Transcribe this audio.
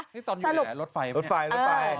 นี่ตอนอยู่ไหนรถไฟไหม